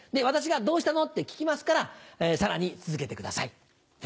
私が「どうしたの？」って聞きますからさらに続けてください。